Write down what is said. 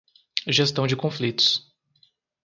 Gestão de conflitos